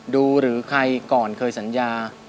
หรือใครก่อนเคยสัญญา